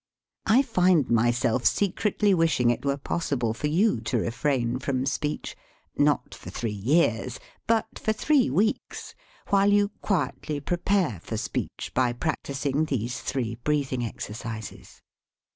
I find myself secretly wishing it were possible for you to refrain from speech, not for three years, but for three weeks, while you quietly prepare for speech by practising these three breathing exercises.